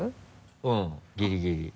うんギリギリ。